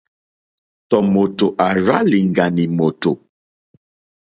Tɔ̀ mòtò àrzá lìɡànì mòtò.